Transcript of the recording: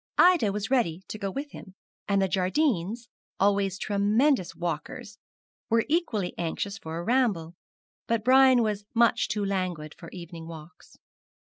Ida was ready to go with him, and the Jardines, always tremendous walkers, were equally anxious for a ramble; but Brian was much too languid for evening walks.